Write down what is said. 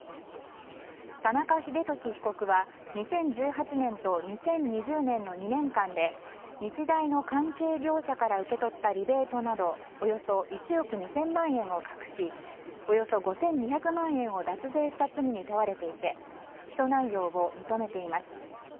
田中英寿被告は２０１８年と２０２０年の２年間で日大の関係業者から受け取ったリベートなどおよそ１億２０００万円を隠しおよそ５２００万円を脱税した罪に問われていて起訴内容を認めています。